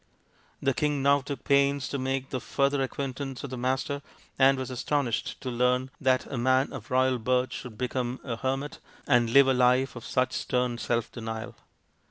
The king now took pains to make the further acquaintance of the Master, and was astonished to learn that a man of royal birth should become a 186 THE INDIAN STORY BOOK hermit and live a life of such stern self denial.